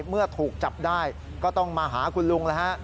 เมื่อถูกจับได้ก็ต้องมาหาคุณลุงแล้วฮะ